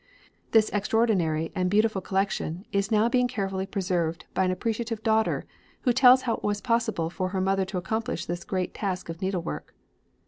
This extraordinary and beautiful collection is now being carefully preserved by an appreciative daughter, who tells how it was possible for her mother to accomplish this great task of needlework.